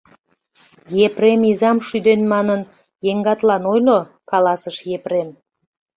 Епрем изам шӱден манын, еҥгатлан ойло, — каласыш Епрем.